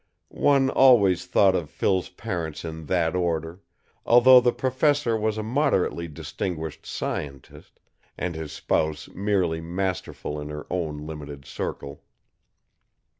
One always thought of Phil's parents in that order, although the Professor was a moderately distinguished scientist and his spouse merely masterful in her own limited circle.